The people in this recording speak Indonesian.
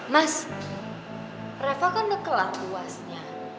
mas reva kan udah kelar puasnya